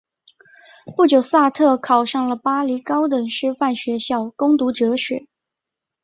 不久萨特考上了巴黎高等师范学校攻读哲学。